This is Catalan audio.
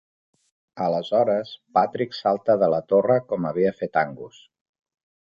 Aleshores, Patrick salta de la torre, com havia fet Angus.